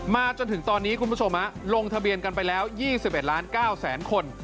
จนถึงตอนนี้คุณผู้ชมลงทะเบียนกันไปแล้ว๒๑ล้าน๙แสนคน